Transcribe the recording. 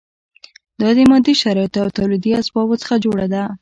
دا د مادي شرایطو او تولیدي اسبابو څخه جوړه ده.